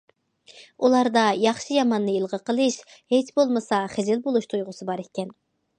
ئۇلاردا ياخشى- ياماننى ئىلغا قىلىش، ھېچ بولمىسا خىجىل بولۇش تۇيغۇسى بار ئىكەن.